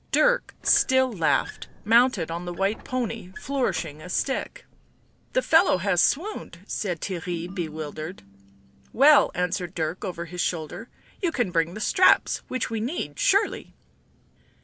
Dirk still laughed, mounted on the white pony, flourishing a stick. " The fellow has swooned," said Theirry, bewildered. " Well," answered Dirk over his shoulder, u you can bring the straps, which we need, surely."